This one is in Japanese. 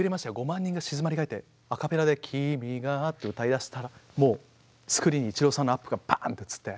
５万人が静まりかえってアカペラで「君が」って歌い出したらもうスクリーンにイチローさんのアップがパーンって映って。